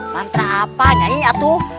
mantra apa nyai nya tuh